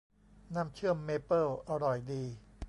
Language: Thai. น้ำเชื่อมเมเปิลอร่อยดี